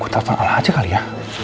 gue telepon allah aja kali ya